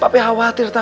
papi khawatir tau gak